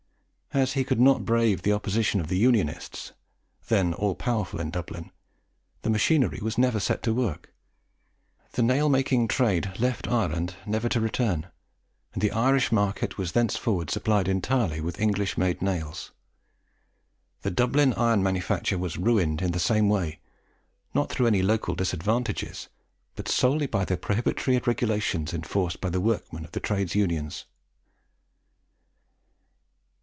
As he could not brave the opposition of the Unionists, then all powerful in Dublin, the machinery was never set to work; the nail making trade left Ireland, never to return; and the Irish market was thenceforward supplied entirely with English made nails. The Dublin iron manufacture was ruined in the same way; not through any local disadvantages, but solely by the prohibitory regulations enforced by the workmen of the Trades Unions.